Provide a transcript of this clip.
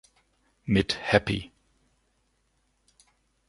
Mit "Happy!